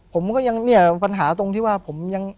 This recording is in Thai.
ผมก็ยังเนี่ยปัญหาตรงที่ว่าผมยัง